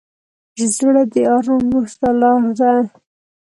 زړه د ارام روح ته لاره ده.